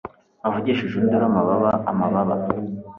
Wavugije induru Amababa amababa